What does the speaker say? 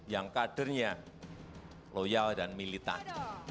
yang kadernya loyal dan militan